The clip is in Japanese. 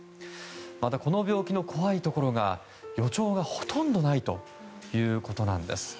また、この病気の怖いところが予兆がほとんどないということです。